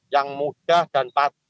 yang mudah dan